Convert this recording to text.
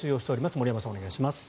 森山さん、お願いします。